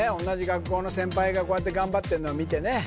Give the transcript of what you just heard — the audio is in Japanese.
同じ学校の先輩がこうやって頑張ってんのを見てね